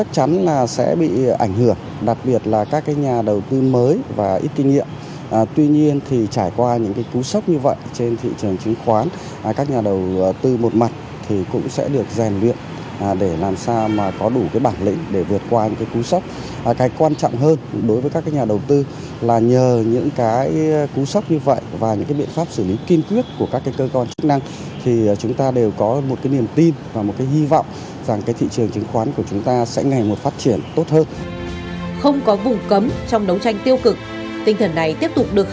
không có vùng cấm trong đấu tranh tiêu cực tinh thần này tiếp tục được khẳng định nhằm tạo ra môi trường chứng khoán công bằng cho tất cả các nhà đầu tư